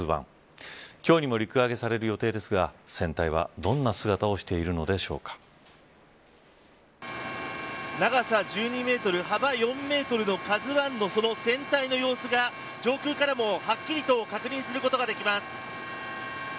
今日にも陸揚げされる予定ですが船体はどんな姿を長さ１２メートル幅４メートルのＫＡＺＵ１の船体の様子が上空からも、はっきりと確認することができます。